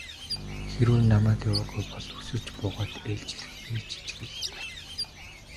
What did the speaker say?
Хэрэв намайг яваагүй бол үсэрч буугаад ээлжилчих л байх.